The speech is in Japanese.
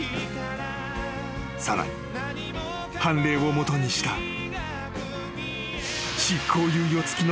［さらに判例を基にした］